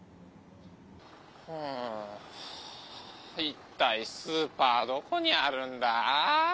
一体スーパーどこにあるんだ？